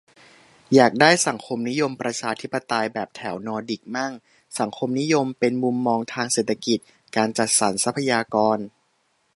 อยากได้สังคมนิยมประชาธิปไตยแบบแถวนอร์ดิกมั่ง สังคมนิยมเป็นมุมมองทางเศรษฐกิจ-การจัดสรรทรัพยากร